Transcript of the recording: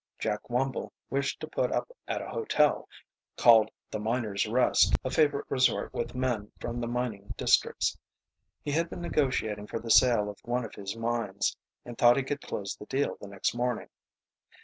Jack Wumble wished to put up at a hotel called the Miner's Rest, a favorite resort with men from the mining districts. He had been negotiating for the sale of one of his mines, and thought he could close the deal the next morning.